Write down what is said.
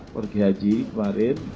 pergi haji kemarin